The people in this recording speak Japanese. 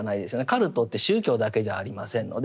カルトって宗教だけじゃありませんので。